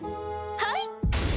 はい！